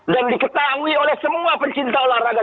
yang diketahui oleh semua pencipta olahraga